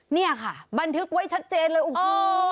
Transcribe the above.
เนี่ยค่ะบันทึกไว้ชัดเจนเลยโอ้โห